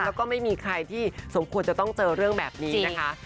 แล้วก็ไม่มีใครที่สมควรจะต้องเจอเรื่องแบบนี้นะคะ